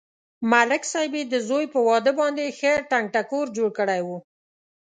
ملک صاحب یې د زوی په واده باندې ښه ټنگ ټکور جوړ کړی و.